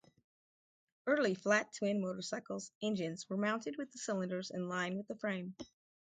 Early flat-twin motorcycles' engines were mounted with the cylinders in line with the frame.